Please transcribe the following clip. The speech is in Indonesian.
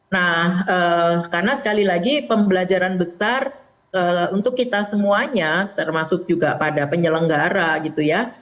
nah karena sekali lagi pembelajaran besar untuk kita semuanya termasuk juga pada penyelenggara gitu ya